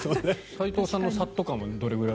斎藤さんのさっと感はどれくらい？